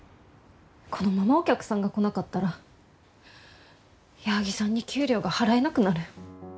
このままお客さんが来なかったら矢作さんに給料が払えなくなる。